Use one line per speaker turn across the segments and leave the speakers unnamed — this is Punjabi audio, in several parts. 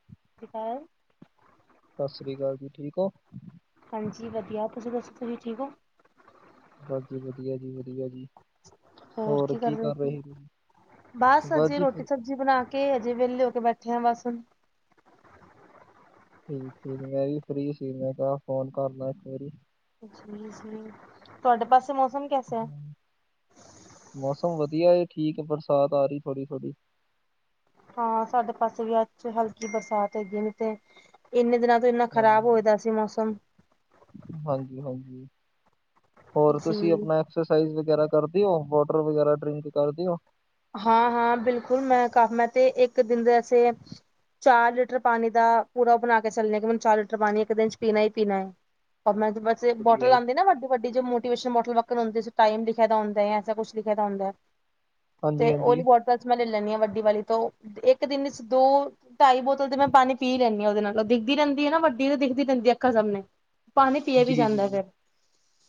ਸਤਿ ਸ਼੍ਰੀ ਅਕਾਲ
ਸਤਿ ਸ੍ਰੀ ਅਕਾਲ, ਜੀ ਠੀਕ ਹੋ
ਹਾਂਜੀ ਵਧੀਆ, ਤੁਸੀਂ ਦੱਸੋ ਤੁਸੀਂ ਠੀਕ ਹੋ?
ਬਸ ਜੀ ਵਧੀਆ ਜੀ ਵਧੀਆ ਜੀ ਹੋਰ ਕੀ ਕਰ ਰਹੇ ਸੀ ਤੁਸੀਂ, ਬਸ
ਅਜੇ
ਜੀ
ਰੋਟੀ
ਫਿਰ
ਸਬਜ਼ੀ ਬਣਾ ਕੇ ਹਜੇ ਵਿਹਲੇ ਹੋ ਕੇ ਬੈਠੇ ਆ ਬਸ
ਠੀਕ ਠੀਕ ਮੈਂ ਵੀ ਫਰੀ ਸੀ ਮੈਂ ਕਿਹਾ ਫੋਨ ਕਰ ਲ ਇੱਕ ਵਾਰੀ
ਤੁਹਾਡੇ ਪਾਸੇ ਮੌਸਮ ਕੈਸਾ ਹੈ?
ਹਾਂ, ਮੌਸਮ ਵਧੀਆ ਏ, ਠੀਕ ਐ ਬਰਸਾਤ ਆ ਰਹੀ ਥੋੜੀ ਥੋੜੀ।
ਹਾਂ, ਸਾਡੇ ਪਾਸੇ ਵੀ ਅੱਜ ਚ ਹਲਕੀ ਬਰਸਾਤ ਹੈਗੀ ਏ ਤੇ। ਇੰਨੇ ਦਿਨਾਂ ਤੋਂ ਇੰਨਾ ਖ਼ਰਾਬ
ਹਾਂਜੀ
ਹੋਏਦਾ ਸੀ ਮੌਸਮ।
ਹਾਂਜੀ ਹਾਂਜੀ, ਹੋਰ
ਜੀ
ਤੁਸੀਂ ਅਪਨਾ ਐਕਸਰਸਾਈਜ਼ ਵਗੈਰਾ ਕਰ ਦਿਓ? ਵਾਟਰ ਵਗੈਰਾ ਡਰਿੰਕ ਕਰ ਦਿਓ?
ਹਾਂ ਹਾਂ, ਬਿਲਕੁਲ ਮੈਂ ਕਾਫ ਮੈਂ ਤੇ ਇੱਕ ਦਿਨ ਦੇ ਵਸੇ ਚਾਰ ਲੀਟਰ ਪਾਣੀ ਦਾ ਪੂਰਾ ਬਣਾ ਕੇ ਚੱਲਣੇ ਕਿ ਮੈਨੂੰ ਚਾਰ ਲੀਟਰ ਪਾਣੀ ਇੱਕ ਦਿਨ ਚ ਪੀਣਾ ਹੀ ਪੀਣਾ ਹੈ ਪਰ ਮੈਂ
ਵਧੀਆ
ਬੋਟਲ
ਹੈ।
ਆਂਦੇ ਨਾ ਵੱਡੀ-ਵੱਡੀ ਮੋਟੀਵੇਸ਼ਨਲ ਬੋਟਲ ਵਕਰ ਹੁੰਦੀ ਸੀ ਟਾਈਮ ਲਿਖ ਦਾ ਹੁੰਦਾ ਹੈ ਏਸਾ ਕੁਛ ਲਿਖ ਦਾ ਹੁੰਦਾ ਹੈ।
ਹਾਂਜੀ
ਤੇ
ਹਾਂਜੀ
ਓਲੀ ਵੋਟਲਾਚ ਮੈਂ ਲੈ ਲੈਣੀ ਹਾਂ ਵੱਡੀ ਵਾਲੀ ਤੋਂ ਇੱਕ ਦਿਨ ਚ ਦੋ ਢਾਈ ਬੋਤਲ ਤੇ ਮੈਂ ਪਾਣੀ ਪੀ ਹੀ ਲੈਂਦੀ ਹਾਂ ਉਹਦੇ ਨਾਲ ਦਿਖਦੀ ਰਹਿੰਦੀ ਹੈ ਨਾ ਵੱਡੀ ਤੇ ਦਿਖਦੀ ਰਹਿੰਦੀ ਅੱਖਾ ਸਾਮਣੇ।
ਜੀ-ਜੀ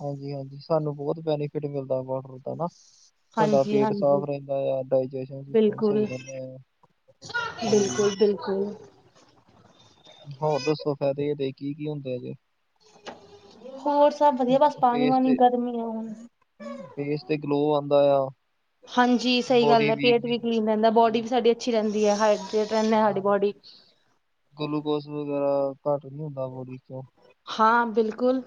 ਹਾਂਜੀ-ਹਾਂਜੀ ਸਾਨੂੰ ਬਹੁਤ ਬੈਨੀਫਿਟ ਮਿਲਦਾ ਵਾਟਰ ਦਾ ਨਾ ਸਾਡਾ
ਹਾਂਜੀ
ਪੇਟ
ਹਾਂਜੀ
ਸਾਫ਼ ਰਹਿੰਦਾ ਆ, ਡਾਈਜੇਸਣ ਸਿਸਮ ਸਹੀ ਰਹਿੰਦਾ ਆ। ਹਾਂਜੀ
ਬਿਲਕੁਲ-ਬਿਲਕੁਲ।
ਹੋਰ ਦੱਸੋ ਫਾਇਦੇ ਇਹਦੇ ਕੀ ਕੀ ਹੁੰਦੇ ਜੇ?
ਹੋਰ ਸਭ ਵਧੀਆ ਬਸ ਪਾਣੀ
ਫੇਸ
ਵਾਂਣੀ
ਤੇ
ਗਰਮੀ ਆ ਹੁਣ।
ਫੇਸ ਤੇ ਗਲੋ ਆਉਂਦਾ ਆ।
ਹਾਂਜੀ, ਸਹੀ ਗੱਲ
ਬੋਡੀ
ਹੈ
ਵੀਕ
ਪੇਟ
ਨਹੀਂ
ਵੀ ਕਲੀਨ ਰਹਿੰਦਾ, ਬੋਡੀ
ਹੁੰਦੀ
ਵੀ ਸਾਡੀ ਅੱਛੀ ਰਹਿੰਦੀ ਹੈ ਹ। ਫਿਰ ਕਹਿੰਦੇ ਸਾਡੀ
ਹਾਂਜੀ
ਬੋਡੀ ਚ।
ਗਲੂਕੋਸ ਵਗੈਰਾ ਘੱਟ ਨਹੀਂ ਹੁੰਦਾ ਬੋਡੀ ਚੋਂ।
ਹਾਂ ਬਿਲਕੁਲ।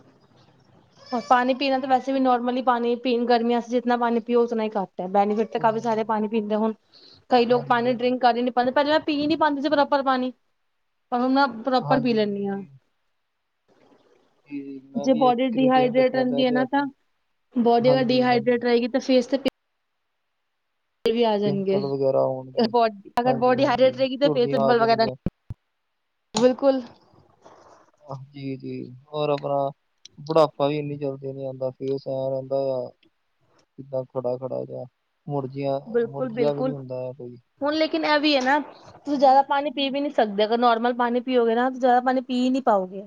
ਪਾਣੀ ਪੀਣਾ ਤਾਂ
ਤੇ
ਵੈਸੇ ਵੀ ਨੋਰਮਲੀ ਪਾਣੀ ਪੀਣ ਗਰਮੀਆਂ ਜੀਤਨਾ ਪਾਣੀ ਪੀਓ, ਉਤਨਾ ਹੀ ਕਮ। ਬੈਨੀਫਿਟ ਤੇ ਕਾਫੀ
ਉਨਾ
ਸਾਰੇ
ਹੀ
ਪਾਣੀ ਪੀਣ ਦੇ ਹੁਨ, ਕਈ ਲੋਕ
ਹਾਂਜੀ
ਪਾਣੀ ਡਰਿੰਕ ਕਰ ਹੀ ਨ। ਪਹਲੇ ਪਹਿਲੇ ਮੈਂ ਪੀ ਨੀ ਪਾਂਦੀ ਸੀ ਪ੍ਰੋਪਰ ਪਾਨੀ। ਪਰ ਹੁਣ ਮੈਂ ਪ੍ਰੋਪਰ ਪੀ
ਹਾਂਜੀ ਹਾਂਜੀ ਜੀ
ਲੈਂਦੀ ਹਾਂ।
ਜੀ ਜੀ ਜੀ ਮੈਂ
ਜੇ
ਵੀ ਇੱਕ
ਬੋਡੀ
ਕ੍ਰੀਟੇਨ
ਡਿਹਾਈਡਰੇੇਟ
ਰੱਖਿਆ ਦਾ
ਰਹਿੰਦੀ ਹੈ
ਲਿਆ
ਨਾ
ਕੇ
ਤਾਂ। ਬੋਡੀ ਅਗਰ
ਹਾਂਜੀ ਹਾਂਜੀ
ਡੀਹਾਈਡਰੇੇਟ ਰਹੇਗੀ ਤਾਂ ਫੇਸ ਤੇ। ਪਿੰਪਲ ਵੀ ਆ ਜਾਣਗੇ
ਪਿੰਪਲ ਵਗੈਰਾ
ਅਗਰ
ਹੋਣਗੇ
ਬੋ
ਹਾਂਜੀ
ਬੋਡੀ
ਹਾਂਜੀ
ਹਾਈਡਰੇਟ ਰਹੇਗੀ ਤੇ ਫੇਸ
ਝੁਰੜੀਆਂ ਆ
ਪਿੰਪਲ ਵਗੈਰਾ ਨ।
ਜਾਣਗੀਆਂ
ਬਿਲਕੁਲ।
ਜੀ-ਜੀ ਹੋਰ ਆਪਣਾ। ਬੁਢਾਪਾ ਵੀ ਇੰਨੀ ਜਲਦੀ ਨੀ ਆਉਂਦਾ ਫੇਸ ਸਾਫ਼ ਰਹਿੰਦਾ ਆ। ਕਿਦਾਂ ਖੜਾ ਖੜਾ ਜਿਹਾ ਮੁਰਝਾਇਆ
ਬਿਲਕੁਲ
ਮੁਰਝਾਇਆ ਵੀ
ਬਿਲਕੁਲ
ਨੀ ਹੁੰਦਾ ਹੈ ਕੋਈ।
ਹੁਣ ਲੇਕਿਨ ਇਹ ਵੀ ਹੈ ਨਾ। ਤੁਸੀਂ ਜ਼ਿਆਦਾ ਪਾਣੀ ਪੀ ਵੀ ਨਹੀ ਸਕਦੇ ਅਗਰ ਨੋਰਮਲ ਪਾਣੀ ਪੀਓਗੇ ਨਾ ਜ਼ਿਆਦਾ ਪਾਣੀ ਪੀ ਨਹੀ ਪਾਓਗੇ।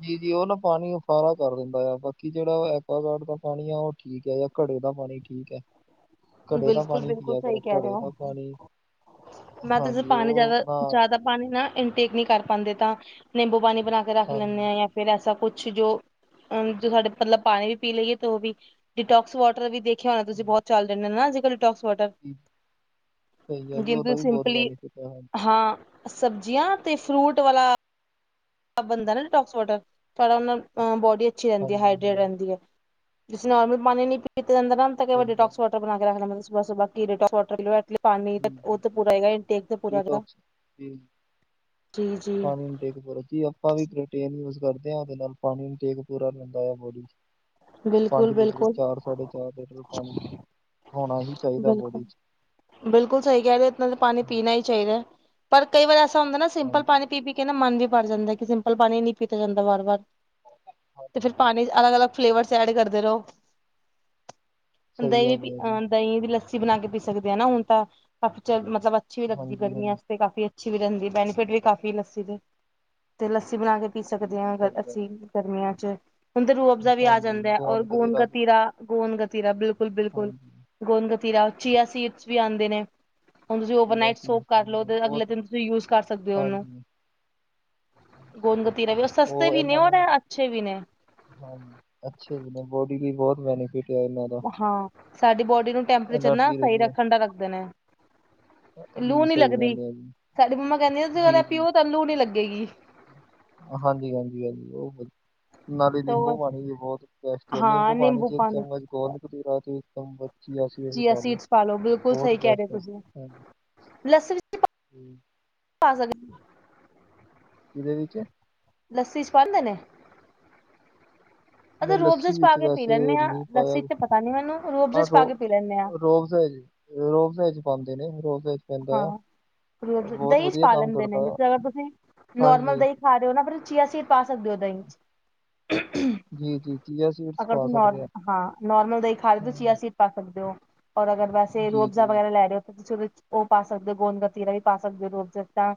ਜੀ-ਜੀ ਉਹ ਨਾ ਪਾਣੀ ਉਫਾਰਾ ਕਰ ਦਿੰਦਾ ਆ ਬਾਕੀ ਜਿਹੜਾ ਉਹ ਐਕੁਆਗਾਰਡ ਦਾ ਪਾਣੀ ਆ ਉਹ ਠੀਕ ਹੈ। ਘੜੇ ਦਾ ਪਾਣੀ ਠੀਕ ਹੈ। ਘੜੇ ਦਾ ਪਾਣੀ
ਬਿਲਕੁਲ-ਬਿਲਕੁਲ
ਪੀਆ
ਸਹੀ
ਕਰੋ
ਕਹਿ ਰਹੇ
ਘੜੇ ਦਾ ਪਾਣੀ
ਹੋ ਮੈਂ ਤਾਂ
ਹਾਂਜੀ
ਪਾਣੀ
ਉਹ
ਜ਼ਿਆਦਾ-
ਨਾ
ਜ਼ਿਆਦਾ। ਪਾਣੀ ਨਾ ਇਨਟੇਕ ਨਹੀ ਕਰ ਪਾਉਂਦੇ ਤਾਂ ਨਿੰਬੂ ਪਾਣੀ ਬਣਾ ਕੇ ਰੱਖ ਲੈਂਦੇ
ਹਾਂਜੀ
ਆ ਜਾਂ। ਫਿਰ ਐਸਾ ਕੁਛ ਜੋ। ਅ ਜੋ ਸਾਡੇ ਮਤਲਬ ਪਾਣੀ ਵੀ ਪੀ ਲਈਏ ਤੇ ਉਹ ਵੀ ਡਿਟੋਕਸ ਵਾਟਰ ਵੀ ਦੇਖ। ਦੇਖਿਆ ਹੋਣਾ ਤੁਸੀਂ ਬਹੁ
ਹਾਂਜੀ,
ਚ ਰਦੇ ਨਾ ਅਜਕੱਲ [inaudible] ਡੀਟੋਕਸ ਵਾਟਰ
ਸਹੀ ਹੈ ਜੀ
ਜਿਦ
ਉਹਦਾ ਵੀ ਬਹੁਤ
ਸਿੰਪਲੀ
ਬੈਨੀਫਿਟ ਹੈ ਹਾਂਜੀ
ਹੀ। ਸਬਜ਼ੀਆਂ ਤੇ ਫਰੂਟ ਵਾਲਾ। ਬਣਦਾ ਨਾ ਡੀਟੋਕਸ ਵਾਟਰ ਤੁਹਾਡਾ ਉਹ ਨਾਲ ਬੋਡੀ ਅੱਛੀ ਰਹਿੰਦੀ ਹੈ
ਹਾਂਜੀ
ਹਾੲ। ਜੇ
ਹਾਂਜੀ
ਰਹਿੰਦੀ ਹੈ ਜਿਸ ਤੋਂ ਨੋਰਮਲ ਪਾਣੀ ਨਹੀ ਪੀਤਾ ਜਾਂਦਾ ਨਾ ਤਾਂ ਕੋਈ ਵਾਰੀ
ਸਹੀ ਗੱਲ ਹੈ
ਡੀਟੋਕਸ ਵਾਟਰ। ਬਣਾ ਕੇ ਰੱਖ ਲੈਣਾ ਸ [unintelligible] ਪਾਣੀ
ਜੀ
ਦਾ ਉਹ ਤੇ
ਬਿਲਕੁਲ
ਪੂਰਾ ਹੈਗਾ ਇੰਟੇਕ ਤੇ ਪੂਰਾ ਹੈਗਾ।
ਡੀਟੌਕਸ ਜੀ
ਜੀ ਜੀ
ਪਾਣੀ ਇਨਟੇਕ ਪੂਰਾ ਜੀ ਆਪਾਂ ਵੀ ਪ੍ਰੋਟੀਨ ਯੂਜ ਕਰਦੇ ਆ, ਉਹਦੇ ਨਾਲ ਪਾਣੀ ਇਨਟੇਕ ਪੂਰਾ ਰੈਂਦਾ ਆ ਬੋਡੀ ਚ।
ਬਿਲਕੁਲ
ਪੰਜ ਲੀਟਰ,
ਬਿਲਕੁਲ
ਚਾਰ ਸਾਢੇ ਚਾਰ ਲੀਟਰ ਪਾਣੀ ਹੋਣਾ ਹੀ ਚਾਹੀਦਾ ਬੋਡੀ
ਬਿਲਕੁਲ।
'ਚ
ਬਿਲਕੁਲ ਸਈ ਕਹਿ ਰਏ ਓ, ਇਤਨਾ ਤਾਂ ਪਾਣੀ ਪੀਣਾ ਈ ਚਾਹੀਦਾ ਪਰ ਕਈ ਵਾਰ ਐਸਾ ਹੁੰਦਾ ਨਾ ਸਿੰਪਲ ਪਾਣੀ
ਹਾਂਜੀ,
ਪੀ-ਪੀ ਕੇ ਨਾ ਮਨ ਵੀ ਭਰ ਜਾਂਦਾ ਕਿ ਸਿੰਪਲ ਪਾਣੀ ਨੀ ਪੀਤਾ ਜਾਂਦਾ ਵਾਰ-ਵਾਰ। ਤੇ ਫਿਰ
ਹਾਂਜੀ-ਹਾਂਜੀ,
ਪਾਣੀ ਚ ਅਲੱਗ-ਅਲੱਗ ਫਲੇਵਰਸ ਐਡ ਕਰਦੇ ਰਓ।
ਸਹੀ
ਦਹੀਂ
ਗੱਲ
ਪੀ
ਹੈ ਜੀ,
ਅ ਦਹੀਂ ਦੀ ਲੱਸੀ ਬਣਾ ਕੇ ਪੀ ਸਕਦੇ ਹਾਂ ਨਾ ਹੁਣ ਤਾਂ ਕਾਫ਼ੀ ਚ ਮਤਲਬ। ਅੱਛੀ ਵੀ ਲੱਗਦੀ ਗਰਮੀਆਂ
ਹਾਂਜੀ-ਹਾਂਜੀ,
ਚ ਤੇ ਕਾਫੀ ਅੱਛੀ ਵੀ ਰਹਿੰਦੀ ਬੈਨੀਫਿਟ ਵੀ ਕਾਫੀ ਲੱਸੀ ਦੇ ਲੱਸੀ ਬਣਾ ਕੇ। ਪੀ ਸਕਦੇ
ਜੀ-ਜੀ
ਹਾਂ
ਸਹੀ ਗੱਲ
ਅਸੀਂ
ਹੈ,
ਗਰਮੀਆਂ ਚ ਰੂਹ ਅਫਜ਼ਾ ਵੀ ਆ
ਹਾਂਜੀ
ਜਾਂਦਾ ਹੈ ਔਰ
ਗੋਂਦ
ਗੂੰਦ
ਕਤੀਰਾ
ਗਤੀਰਾ। ਗੋਦ ਗਤੀਰਾ ਬਿਲਕੁਲ ਬਿਲਕੁਲ
ਹਾਂਜੀ,
ਗੋਦ ਗਤੀਰਾ ਚੀਆ ਸੀਡਸ ਵੀ ਆਉਂਦੇ ਨੇ। ਹੁਣ ਜੇ ਤੁਸੀਂ
ਜੀ
ਓਵਰਨਾਈਟ
ਅਸੀਂ
ਸੋਕ ਕਰ
ਸੁਣਦੇ
ਲਓ
ਹਾਂ,
ਤੇ ਅਗਲੇ
ਬਹੁਤ
ਦਿਨ ਤੁਸੀਂ ਯੂਜ ਕਰ ਸਕਦੇ ਹੋ ਓਹਨੂੰ।
ਹਾਂਜੀ,
ਗੋਦ ਕਤੀਰਾ ਵੀ ਸਸਤੇ ਵੀ ਨੇ
ਇਹਨਾਂ
ਉਹ
ਨੂੰ
ਅੱਛੇ ਵੀ ਨੇ।
ਹਾਂਜੀ ਅੱਛੇ ਵੀ ਨੇ ਬੋਡੀ ਲਈ ਬਹੁਤ ਬੈਨੀਫਿਟ। ਹੈ ਇਹਨਾਂ ਦਾ,
ਹਾਂ ਸਾਡੀ ਬੋਡੀ ਨੂੰ ਟੈਂਪਰੇਚਰ ਨਾ
ਐਨਰਜੀ
ਸਹੀ
ਰਹਿੰਦੀ ਹੈ,
ਰੱਖਣ ਦਾ ਰੱਖਦੇ ਨੇ। ਲੂ
ਜੀ
ਨੀ
ਸਹੀ
ਲੱਗਦੀ
ਗੱਲ ਹੈ ਜੀ,
ਸਾਡੀ ਮੰਮਾ ਕਹਿੰਦੀ ਸੀ
ਜੀ-ਜੀ,
ਪਿਓ ਤਾਂ ਲੂ ਨੀ ਲੱਗੇਗੀ।
ਹਾਂਜੀ ਹਾਂਜੀ ਹਾਂਜੀ ਉਹ ਵਧੀਆ। ਨਾਲੇ ਨਿੰਬੂ ਪਾਣੀ ਵੀ ਬਹੁਤ ਬੈਸਟ ਹੈ ਨਿੰਬੂ ਪਾਣੀ ਚ ਇੱਕ ਚਮਚ ਗੋਦ ਕਤੀਰਾ ਚ। ਬੱਚੀ [inaudible]
ਚੀਆ
ਪਾਲੋ
ਸੀਡਸ ਪਾ ਲੋ
ਬਹੁਤ ਬਸ
ਲੱਸਨ ਚ ਪਾ ਸਕ
ਕੀਦੇ ਵਿਚ।
ਲੱਸੀ ਚ ਪਾਂਦੇ ਨੇ।
ਮ
ਅ ਰੋਬਜ਼
ਲੱਸੀ
ਚ ਪਾ
ਵਿੱਚ
ਕੇ ਪੀ
ਵੈਸੇ
ਲੈਂਦੇ ਹਾਂ
ਮੀਂਹ ਪਾਇਆ
ਲੱਸੀ
ਵੇ
ਚ ਪਤਾ ਨੀ ਮੈਨੂੰ ਰੋਬਜ਼ ਚ
ਆਹੋ
ਪਾ ਕੇ ਪੀ ਲੈਂਦੇ ਹਾਂ
ਇਹ ਰੋਬਜਾ ਐ ਜੀ। ਰੋਅਫਜਾ ਚ ਪਾਂਦੇ ਰੋਅਫਜਾ ਚ ਪੈਂਦਾ ਆ
ਹਾਂ, ਰੁਅਫਜਾ
ਬਹੁਤ
ਦਹੀਂ ਚ
ਵਧੀਆ
ਪਾ
ਕੰਮ
ਲੈਂਦੇ
ਕਰਦਾ
ਨੇ, ਜਿੱਸ
ਆ
ਤਰਾਂ ਅਗਰ ਤੁਸੀਂ ਨੋਰਮਲ
ਹਾਂਜੀ
ਦਹੀਂ ਖਾ ਰਏ ਨਾ ਫਿਰ ਚੀਆ ਸਿਡ ਪਾ ਸਕਦੇ ਓ ਦਹੀ ਚ।
ਜੀ ਜੀ ਚੀਆ ਸੀਡਸ
ਅਗਰ
ਪਾ
ਤੁਸੀਂ ਨੋਰਮ
ਸਕਦੇ ਆ
ਹਾਂ ਨੋਰਮਲ ਦਹੀ ਖਾਲੀ ਚਿਆ
ਹੂੰ,
ਸੀਡ ਖਾ ਸਕਦੇ ਓ, ਓਰ ਅਗਰ ਵੈਸੇ
ਜੀ
ਰੁਅਬਜ਼ਾ
ਜੀ
ਵਗੈਰਾ ਲੈ ਰਏ ਓ ਤਾਂ ਤੁਸੀਂ ਉਹਦੇ ਚ ਉਹ ਪਾ ਸਕਦੇ ਓ, ਗੋਂਦ ਗਤੀਰਾ ਵੀ ਪਾ ਸਕਦੇ ਓ, ਰੁਅਬਜਾ ਤਾਂ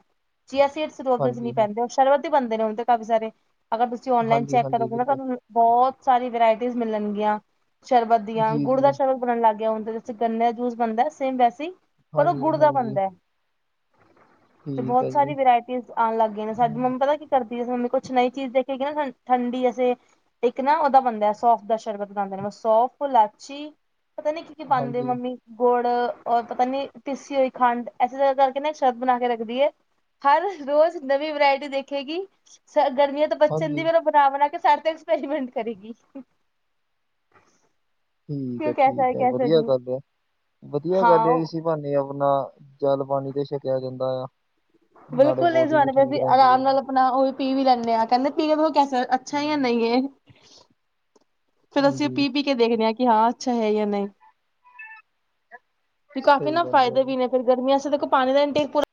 ਚੀਆ ਸੀਡ ਰੁਅਬਜਾ ਚ
ਹਾਂਜੀ
ਨਈ
ਹਾਂ-
ਪੈਂਦੇ ਸ਼ਰਵਤ ਵੀ ਬੰਦੇ ਨੇ ਹੁਣ ਤੇ ਕਾਫੀ ਸਾਰੇ ਅਗਰ ਤੁਸੀਂ ਓਨਲਾਈਨ
ਹਾਂਜੀ
ਚੈੱਕ
ਹਾਂਜੀ
ਕਰੋਗੇ ਨਾ
ਬਿਲਕੁਲ
ਤੁਆਨੂੰ ਬਹੁਤ ਸਾਰੀ ਵਰਾਇਟੀਜ਼ ਮਿਲਣਗੀਆਂ ਸ਼ਰਬਤ ਦੀਆਂ,
ਜੀ
ਗੁੜ ਦਾ
ਜੀ
ਸ਼ਰਬਤ ਉਨਾ ਨੂੰ ਲਗ ਗਿਆ ਓਦੇ ਵਿੱਚ ਗੰਨੇ ਦਾ ਜੂਸ ਬਣਦਾ ਸੇਮ ਵੈਸੇ ਈ ਪਰ ਉਹ
ਹਾਂਜੀ
ਗੁੜ ਦਾ
ਹਾਂਜੀ
ਬਣਦਾ। ਤੇ
ਠੀਕ
ਬਹੁਤ
ਹੈ ਜੀ
ਸਾਰੀ ਵਰਾਇਟੀਜ਼ ਆਣ ਲੱਗ ਗਈਆ ਨੇ ਸਾਡ
ਹੂੰ,
ਮੰਮ ਪਤਾ ਕਰਦੀ ਮੰਮੀ ਕੁਛ ਨਈਂ ਚੀਜ਼ ਦੇਖੇਗੀ ਸੈਨ ਠੰਡੀ ਅਸੀਂ ਇੱਕ ਨਾ ਉਹਦਾ ਬੰਦਾ ਸੌਫ ਦਾ ਸ਼ਰਬਤ ਬਨਾਂਦੇ ਸੌਫ, ਲਾਚੀ ਪਤਾ ਨੀ ਕੀ-ਕੀ ਪਾਂਦੇ
ਹਾਂਜੀ
ਮੰਮੀ, ਗੁੜ ਓਰ ਪਤਾ ਨੀ ਪੀਸੀ ਹੋਈ ਖੰਡ ਇਸੇ ਤ ਕਰਕੇ ਨਾ ਸ਼ਰਬ ਬਣਾ ਕੇ ਰੱਖਦੀ ਏ। ਹਰ ਰੋਜ਼ ਨਵੀਂ ਵਰਾਇਟੀ ਦੇਖੇਗੀ ਸ ਗਰਮੀਆਂ ਤੋਂ ਬੱਚਨ ਦੀ
ਹਾਂਜੀ
ਤਰਾ ਬਣਾ-ਬਣਾ ਕੇ ਸਾਡੇ ਤੇ ਐਕਸਪੈਰੀਮੈਂਟ ਕਰੇਗੀ।
ਠੀਕ ਐ,
ਕਿਉਂ ਕੈਸਾ ਹੈ
ਠੀਕ ਐ,
ਕੈਸਾ
ਵਦੀਆ
ਨਈ
ਗੱਲ ਐ, ਵਦੀਆ ਗੱਲ ਐ
ਹਾਂ
ਇਸ ਭਾਨੀ ਅਪਣਾ ਜਲ ਪਾਣੀ ਤੇ ਛਕਿਆ ਜਾਂਦਾ ਆ। ਨਾਲੇ
ਬਿਲਕੁਲ ਇਹ
ਬੋਡੀ ਵੀ
ਜ਼ਵਾਨ [unintelligible]
ਠੀਕ ਰਹਿੰਦੀ ਹੈ
ਅਰਾਮ
ਜੀ
ਨਾਲ ਅਪਣਾ ਉਹ ਵੀ ਪੀ ਵੀ ਲੈਨੇ ਆ ਕਹਿੰਦੇ ਪਿਓ ਤੋਂ ਕੈਸਾ ਐ ਅੱਛਾ ਐ ਯਾ
ਹੂੰ,
ਨਈ ਏ। ਫੇਰ ਅਸੀਂ ਉਹ
ਹਾਂਜੀ
ਪੀ-ਪੀ ਕੇ ਦੇਖਨੇ ਆ ਕਿ ਹਾਂ ਅੱਛਾ ਹੈ ਯਾ ਨਈ। ਕਾਫੀ
ਸਹੀ
ਨਾ
ਗੱਲ ਹੈ
ਫਾਇਦੇ
ਜੀ
ਵੀ ਨੇ ਫਿਰ ਗਰਮੀਆਂ ਚੇ ਦੇਖੋ ਪਾਣੀ ਦਾ ਇਨਟੇਕ ਪੂਰਾ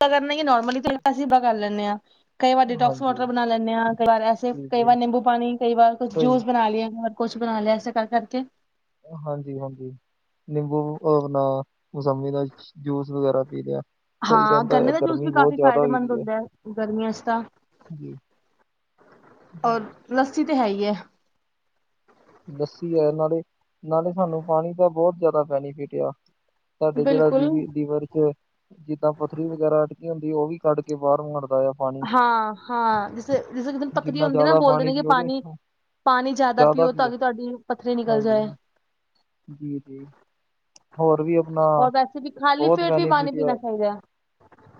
ਕਰਨਾ ਈ ਨੋਰਮਲੀ ਚੇ ਅਸੀਂ ਇਦਾ ਕਰ ਲੈਣੇ ਆ। ਕਈ ਵਾਰ ਡਿਟੋਕਸ
ਹਾਂਜੀ,
ਵਾਟਰ ਬਣਾ ਲੈਨੇ ਆ, ਕਈ ਵਾਰ ਐਸੇ, ਕਈ
ਜੀ-ਜੀ,
ਵਾਰ ਨਿੰਬੂ ਪਾਣੀ, ਕਈ ਵਾਰ ਕੁਛ
ਸਹੀ
ਜੂਸ ਬਣਾ ਲਿਆ ਘਰ। ਕੁਛ ਬਣਾ ਲਿਆ ਏਸੇ ਕਰ ਕਰਕੇ।
ਹਾਂਜੀ-ਹਾਂਜੀ। ਨਿੰਬੂ ਅਪਣਾ ਮੌਸੰਮੀ ਦਾ ਜੂਸ ਵਗੈਰਾ ਪੀ ਲਿਆ। ਸਹੀ
ਹਾਂ,
ਰਹਿੰਦਾ ਆ,
ਗੰਨੇ ਦਾ ਜੂਸ ਵੀ
ਗਰਮੀ ਬਹੁਤ
ਕਾਫ਼ੀ
ਜ਼ਿਆਦਾ ਹੋਈ
ਫਾਇਦੇਮੰਦ
ਦੀ ਹੈ,
ਹੁੰਦਾ ਐ, ਗਰਮੀਆਂ ਚ ਤਾਂ
ਜੀ।
ਔਰ ਲੱਸੀ ਤੇ ਹੈ ਈ ਐ।
ਲੱਸੀ ਆ ਨਾਲੇ, ਨਾਲੇ ਸਾਨੂੰ ਪਾਣੀ ਦਾ ਬੋਤ ਜੈਦਾ ਬੈਨੀਫਿਟ ਆ। ਸਾਡੇ ਜੇੜਾ
ਬਿਲਕੁਲ
ਦੀਵੀ ਲੀਵਰ ਚ ਜਿੱਦਾਂ ਪਥਰੀ ਵਗੈਰਾ ਅਟਕ ਹੁੰਦੀ ਉਹ ਵੀ ਕੱਢ ਕੇ ਬਾਹਰ ਮਾਰਦਾ ਆ ਪਾਣੀ।
ਹਾਂ ਹਾਂ ਜਿਸ ਜਿਸ ਜਨ ਪਤਰੀ
ਜਿੰਨਾ
ਹੁੰਦੀ ਨਾ
ਜ਼ਿਆਦਾ
ਬੋਲਦੇ ਨੇ ਕਿ
ਪੀਓਗੇ,
ਪਾਣੀ ਪਾਣੀ ਜ਼ਿਆਦਾ ਪੀਓ ਤਾਂ ਕਿ ਤੁਹਾਡੀ ਪੱਥਰੀ ਨਿਕਲ ਜਾਏ
ਜੀ ਜੀ। ਹੋਰ ਵੀ ਅਪਣਾ
ਔਰ ਵੈਸੇ ਵੀ ਖਾਲੀ
ਬਹੁਤ
ਪੇਟ ਵੀ ਪਾਣੀ
ਬੈਨੀਫਿਟ
ਪੀਣਾ
ਆ।
ਚਾਹੀਦਾ ਹੈ।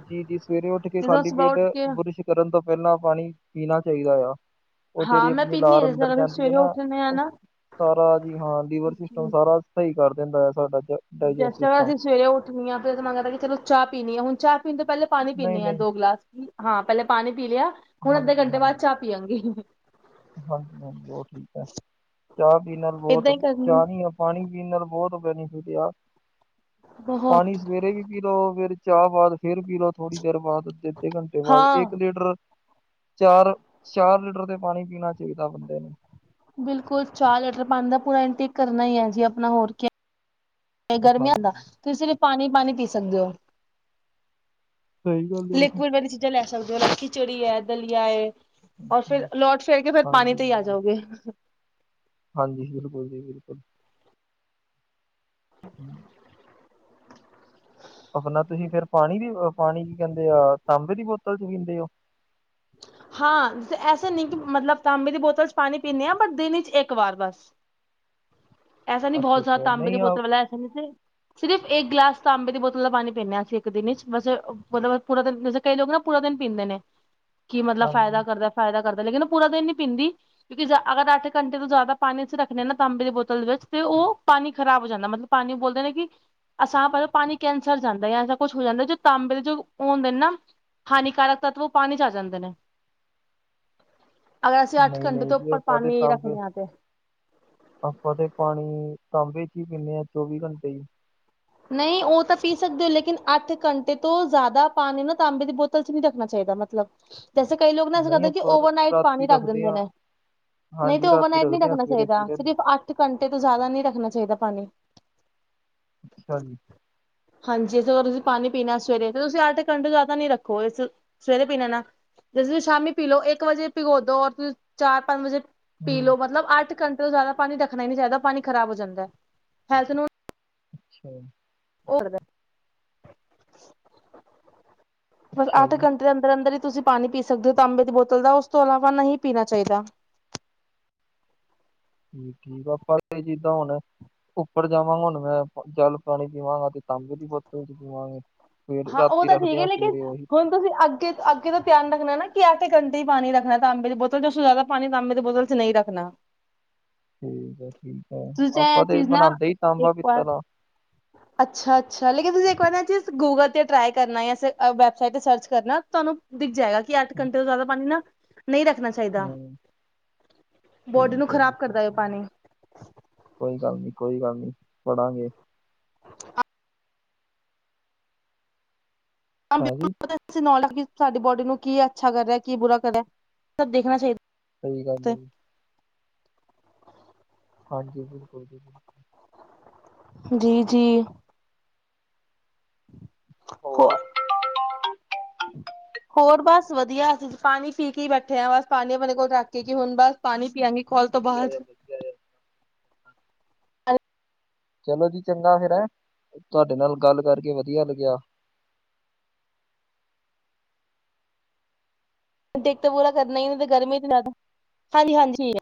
ਜੀ ਜੀ ਸਵੇਰੇ ਉੱਠ ਕੇ
ਜਦੋਂ
ਖਾਲੀ
ਸੁਬਾਹ
ਪੇਟ
ਉੱਠ ਕੇ
ਬੁਰਸ਼ ਕਰਨ ਤੋਂ ਪਹਿਲਾਂ ਪਾਣੀ ਪੀਣਾ ਚਾਈਦਾ ਐਗਾ ਉਹ
ਹਾਂ
ਜਿਹੜੀ
ਮੈਂ
ਅਪਣੀ
ਪੀਂਦੀ
ਲਾਰ
ਹਾਂ ਜਿਸ
ਅੰਦਰ
ਤਰ੍ਹਾਂ ਅਸੀਂ
ਜਾਂਦੀ ਏ
ਸਵੇਰੇ
ਨਾ
ਉੱਠਦੇ ਹਾਂ ਨਾ
ਸਾਰਾ ਜੀ ਹਾਂ ਲੀਵਰ ਸਿਸਟਮ ਸਾਰਾ ਸਈ ਕਰ ਦਿੰਦਾ ਐ ਸਾਡਾ ਚ
ਜੈਸ ਟੈਮ ਅਸੀਂ ਸਵੇਰੇ ਉੱਠਣੀ ਆ ਫੇਰ ਅਸੀਂ ਮੰਗਦਾ ਕਿ ਚੋ ਚਾਹ ਪੀਣੀ ਆ ਹੁਣ ਚ ਪੀਣ ਤੋਂ ਪੈਲੇ ਪਾਣੀ
ਨਹੀਂ
ਪੀਨੇ ਆ
ਨਹੀਂ
ਦੋ ਗਲਾਸ ਵੀ ਹਾਂ ਪਹਿਲੇ ਪਾਣੀ ਪੀ ਲਿਆ, ਹੁਣ ਅੱਧੇ ਘੰਟੇ ਬਾਦ ਚਾਹ ਪੀਆਂਗੇ।
ਹਾਂਜੀ-ਹਾਂਜੀ, ਉਹ ਠੀਕ ਐ, ਚਾਹ ਪੀਣ ਨਾਲ
ਏਦਾਂ
ਬਹੁਤ,
ਹੀ ਕਰਨੀ
ਚਾਹ ਨੀ ਪਾਣੀ ਪੀਨ ਨਾਲ ਬੋਤ ਬੈਨੀਫਿਟ ਆ, ਪਾਣੀ
ਬਹੁਤ
ਸਵੇਰੇ ਵੀ ਪੀ ਲਓ ਫਿਰ ਚਾਹ ਬਾਅਦ ਫਿਰ ਪੀ ਲਓ ਥੋੜੀ ਦੇਰ ਬਾਅਦ ਤੇ ਤੇ ਘੰਟੇ ਬਾਅਦ
ਹਾਂ
ਇੱਕ ਲੀਟਰ ਚਾਰ ਚਾਰ ਲੀਟਰ ਦੇ ਪਾਣੀ ਪੀਨਾ ਚੀਹੀਦਾ ਬੰਦੇ ਨੇ
ਬਿਲਕੁਲ ਚਾਰ ਲੀਟਰ ਪਾਉਣ ਦਾ ਪੂਰਾ ਇੰਟਕ ਕਰਨਾ ਹੀ ਹੈ ਜੀ ਆਪਣਾ ਹੋਰ ਕੇ ਗਰਮੀਆਂ ਦਾ
ਹਾਂਜੀ
ਤੁਸੀਂ ਸਿਰ ਪਾਣੀ ਪਾਣੀ ਪੀ ਸਕਦੇ ਹੋ
ਸਹੀ ਗੱਲ ਹੈ ਜੀ
ਲਿਕਵਿਡ ਵਾਲੀ ਚੀਜ਼ਾਂ ਲੈ ਸਕਦੇ ਹੋ ਰਾਖੀ ਖਿਚੜੀ ਹੈ ਦਲਿਆ ਰ ਫਿਰ ਲੌਟ ਫਿਰ ਕੇ ਫਿਰ ਪਾਣੀ ਤੇ
ਹਾਂਜੀ
ਹੀ ਆ ਜਾਓਗੇ
ਹਾਂਜੀ ਬਿਲਕੁਲ ਜੀ ਬਿਲਕੁਲ [inaudible] ਆਪਣਾ ਤੁਸੀਂ ਫਿਰ ਪਾਣੀ ਦੀ ਪਾਣੀ ਕੀ ਕਹਿੰਦੇ ਆ ਤਾਂਬੇ ਦੀ ਬੋਤਲ ਚ ਪੀਂਦੇ ਹੋ
ਹਾਂ ਐਸੇ ਨਹੀਂ ਕਿ ਮਤਲਬ ਤਾਂ ਮੇ ਦੀ ਬੋਤਲ ਚ ਪਾਣੀ ਪੀਂਦੇ ਹਾਂ ਪਰ ਦਿਨ ਚ ਇੱਕ ਵਾਰ ਬਸ ਐਸਾ ਨੀ ਬਹੁਤ ਸਿਆਰਦਾ
ਅੱਛਾ-ਅੱਛਾ
ਤਾਂਬੇ ਦੀ
ਨਹੀਂ ਆ
ਬੋਤਲ ਵਾਲਾ ਐਸਾ ਨੀ ਸੀ ਸਿਰਫ ਇੱਕ ਗਲਾਸ ਤਾਂ ਅੰਬੇ ਦੀ ਬੋਤਲ ਦਾ ਪਾਣੀ ਪੀਦੇ ਹਾਂਸੀਂ ਇੱਕ ਦਿਨ ਵਿਚ ਬੈਸ ਮਤਲਬ ਪੂਰਾ ਦਿਨ ਜੈਸੇ ਕਈ ਲੋਕ ਨਾ ਪੂਰਾ ਦਿਨ ਪੀਂਦੇ ਨੇ ਕੀ ਮਤਲਬ ਫਾਇਦਾ
ਹਾਂਜੀ,
ਕਰਦਾ ਫਾਇਦਾ ਕਰਦਾ ਲੇਕਿਨ ਉਹ ਪੂਰਾ ਦਿਨ ਨੀ ਪੀਂਦੀ ਕਿਉਂਕਿ ਅਗਰ ਅੱਠ ਘੰਟੇ ਤੋਂ ਜ਼ਿਆਦਾ ਪਾਣੀ ਅਸੀਂ ਰੱਖਣੇ ਹਾਂ ਨਾ ਤਾਂਬੇ ਦੀ ਬੋਤਲ ਦੇ ਵਿੱਚ ਤੇ ਉਹ ਪਾਣੀ ਖ਼ਰਾਬ ਹੋ ਜਾਂਦਾ ਮਤਲਬ ਪਾਣੀ ਬੋਲਦੇ ਨੇ ਕਿ ਅਸਾਂ ਪਹਿਲ ਪਾਣੀ ਕੈਂਸਰ ਜਾਂਦਾ ਹੈ ਐਸਾ ਕੁਛ ਹੋ ਜਾਂਦਾ ਜੋ ਤਾਂਬੇ ਦੇ ਜੋ ਹੁੰਦੇ ਨੇ ਨਾ ਹਾਨੀਕਾਰਕ ਤੱਤਵ ਉਹ ਪਾਣੀ ਜਾ ਆ ਜਾਂਦੇ ਨੇ ਅਗਰ ਅਸੀਂ ਅੱਠ ਘੰਟੇ
ਨਹੀਂ-ਨਹੀਂ
ਤੋਂ
ਜੀ
ਉੱਪਰ
ਆਪਾਂ ਤੇ
ਪਾਣੀ
ਤਾਂਬੇ
ਰੱਖਣੇ ਆ ਤੇ
ਆਪਾਂ ਤੇ ਪਾਣੀ ਤਾਂਬੇ ਚ ਹੀ ਪੀਦੇ ਹਾਂ ਚੌਵੀ ਘੰਟੇ ਹੀ
ਨਹੀਂ ਉਹ ਤਾਂ ਪੀ ਸਕਦੇ ਹੋ ਲੇਕਿਨ ਅੱਠ ਘੰਟੇ ਤੋਂ ਜ਼ਿਆਦਾ ਪਾਣੀ ਨਾ ਤਾਂਬੇ ਦੀ ਬੋਤਲ ਚ ਨਹੀਂ ਰੱਖਣਾ ਚਾਹੀਦਾ ਮਤਲਬ ਮਤਲਬ ਜੈਸੇ ਕਈ ਲੋਕ ਨਾ ਐਸਾ
ਨਹੀਂ
ਕਰਦੇ ਕਿ
ਆਪਾਂ
ਓਵਰਨਾਈਟ ਪਾਣੀ
ਰਾਤੀ
ਰੱਖ
ਰੱਖਦੇ
ਦਿੰਦੇ
ਆ
ਨੇ, ਨਹੀਂ ਤੇ
ਹਾਂਜੀ ਰਾਤੀ
ਓਵਰਨਾਈਟ ਨਹੀਂ
ਰੱਖਦੇ ਆ
ਰੱਖਣਾ
ਸਵੇਰੇ ਪੀ
ਚਾਹੀਦਾ
ਲੈਂਨੇ ਆ।
ਸਿਰਫ ਅੱਠ ਘੰਟੇ ਤੋਂ ਜ਼ਿਆਦਾ ਨਹੀਂ ਰੱਖਣਾ ਚਾਹੀਦਾ ਪਾਣੀ
ਅੱਛਾ ਜੀ
ਹਾਂਜੀ ਇਸ ਅਗਰ ਤੁਸੀਂ ਪਾਣੀ ਪੀਣਾ ਸਵੇਰੇ ਤੇ ਤੁਸੀਂ ਅੱਠ ਘੰਟੇ ਜ਼ਿਆਦਾ ਨੀ ਰੱਖੋ ਇਸ ਸਵੇਰੇ ਪੀਣਾ ਨਾ ਜਸੇ ਤੁਸੀਂ ਸ਼ਾਮੀ ਪੀ ਲਓ ਇੱਕ ਵਜੇ ਭਿਗੋ ਦੋ ਔਰ ਤੁਸੀਂ ਚਾਰ ਪੰਜ ਵਜੇ ਪੀ
ਹੂੰ
ਲਓ ਮਤਲਬ ਅੱਠ ਘੰਟੇ ਤੋਂ ਜ਼ਿਆਦਾ ਪਾਣੀ ਰੱਖਣਾ ਹੀ ਨਹੀਂ ਚਾਹੀਦਾ ਪਾਣੀ ਖ਼ਰਾਬ ਹੋ ਜਾਂਦਾ ਹੈਲਥ ਨੂੰ।
ਅੱਛਾ
ਓ ਅੱਠ
ਜੀ
ਘੰਟੇ ਦੇ ਅੰਦਰ ਅੰਦਰ ਹੀ ਤੁਸੀਂ ਪਾਣੀ ਪੀ ਸਕਦੇ ਹੋ ਤਾਂਬੇ ਦੀ ਬੋਤਲ ਦਾ ਉਸ ਤੋਂ ਇਲਾਵਾ ਨਹੀਂ ਪੀਣਾ ਚਾਹੀਦਾ
ਠੀਕ ਆ ਆਪਾਂ ਇਹ ਜਿੱਦਾਂ ਹੁਣ ਉੱਪਰ ਜਾਵਾਂਗਾ ਹੁਣ ਮੈਂ ਜਲ ਪਾਣੀ ਪੀਵਾਂਗਾ ਤੇ ਤਾਂਬੇ ਦੀ ਬੋਤਲ ਚ ਪੀਵਾਂਗੇ ਸਵੇ
ਹਾਂ ਉਹ
ਰਾਤੀ
ਤਾਂ
ਰੱਖਦੇ
ਠੀਕ ਹੈ
ਹਾਂ
ਲੇਕਿਨ
ਸਵੇਰੇ ਉਹੀ
ਹੁਣ ਤੁਸੀਂ ਅੱਗੇ ਅੱਗੇ ਦਾ ਧਿਆਨ ਰੱਖਣਾ ਨਾ ਕਿ ਆਟੇ ਘੰਟੇ ਪਾ ਰੱਖਣਾ ਤਾਂਬੇ ਦੇ ਬੋਤਲ ਚਂ ਜ਼ਿਆਦਾ ਪਾਣੀ ਤਾਂਬੇ ਦੇ ਬੋਤਲ ਨਹੀਂ ਰੱਖਣਾ
ਠੀਕ ਠੀਕ ਹੈ
ਤੁਸੀਂ ਇਹ
ਆਪਾਂ ਤੇ
ਚੀਜ਼ ਨਾ
ਬਣਾਉਦੇ ਹੀ ਤਾਂਬਾ
ਇੱਕ ਵਾਰ
ਪਿੱਤਰ ਦਾ
ਅੱਛਾ ਅੱਛਾ ਲੇਕਿਨ ਤੁਸੀਂ ਇੱਕ ਵਾਰ ਗੂਗਲ ਤੇ ਟਰਾ ਕਰਨਾੈਬ ਤੇ ਸਰਚ ਕਰਨਾ ਤੁਹਾਨੂੰ ਦਿਖ ਜਾਏਗਾ ਕਿ ਅੱਠ ਘੰਟੇ ਤੋਂ ਜ਼ਿਆਦਾ ਪਾਣੀ ਨਾ ਨਹੀਂ ਰੱਖਣਾ ਚਾਹੀਦਾ
ਹੂੰ
ਚਾਹੀਦਾ ਬੋਡ ਨੂੰ
ਠੀਕ ਜੀ
ਖ਼ਰਾਬ ਕਰਦਾ
ਠੀਕ
ਹੈ ਉਹ
ਜੀ
ਪਾਣੀ
ਕੋਈ ਗੱਲ ਨੀ ਕੋਈ ਗੱਲ ਨੀ ਪੜਾਂਗੇ ਹਾਂਜੀ
ਨੌਲੇਜ ਸਾਡੀ ਬੋਡੀ ਨੂੰ ਕੀ ਅੱਛਾ ਕਰਹਾ ਕੀ ਬੁਰਾ ਕਰ ਰਿ ਸਭ ਦੇਖਣਾ ਚਾਹੀਦਾ
ਸਹੀ ਗੱਲ ਹੈ ਹਾਂਜੀ, ਬਿਲਕੁਲ ਜੀ
ਜੀ ਜੀ ਹੋਰ ਹੋਰ ਬਸ ਵਧੀਆ ਅਸੀਂ ਪਾਣੀ ਪੀ ਕੇ ਬੈਠੇ ਹਾਂ ਬਸ ਪਾਣੀ ਆਪਣੇ ਕੋਲ ਰੱਖ ਕੇ ਕਿ ਹੁਣ ਬਸ ਪਾਣੀ ਪੀਆਗੇ ਕੋਲ ਤੋਂ
ਵਧੀਆ
ਬਾਅਦ
ਆ ਵਧੀਆ ਆ। ਚਲੋ ਜੀ ਚੰਗਾ ਫਿਰ ਐ, ਤੁਹਾਡੇ ਨਾਲ ਗੱਲ ਕਰਕੇ ਵਧੀਆ ਲੱਗਿਆ
ਦਿੱਕਤ ਪੂਰਾ ਕਰਨਾ ਹੀ ਤੇ ਗਰਮੀ ਤੇ ਜ਼ਿਆਦਾ, ਹਾਂਜੀ ਹਾਂਜੀ